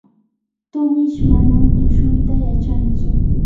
tumish manam tushuyta yachantsu.